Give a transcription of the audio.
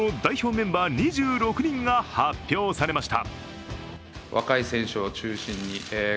メンバー２６人が発表されました。